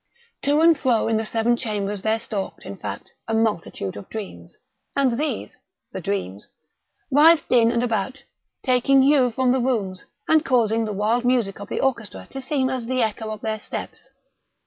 To and fro in the seven chambers there stalked, in fact, a multitude of dreams. And these—the dreams—writhed in and about, taking hue from the rooms, and causing the wild music of the orchestra to seem as the echo of their steps.